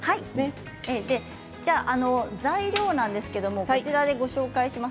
材料なんですがこちらでご紹介します。